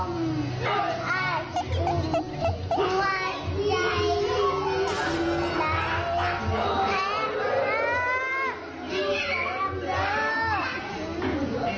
นิดเดียวน้ำเบอร์สมนุ่มแบบน้องนิดเดียว